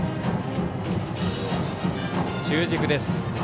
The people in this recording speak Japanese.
中軸です。